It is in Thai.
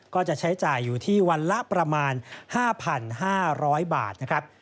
ก็จะใช้จ่ายอยู่ที่วันละประมาณ๕๕๐๐บาทนะครับ